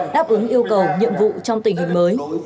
đáp ứng yêu cầu nhiệm vụ trong tình hình mới